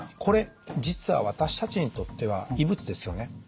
これ実は私たちにとっては異物ですよね。